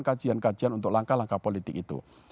kajian kajian untuk langkah langkah politik itu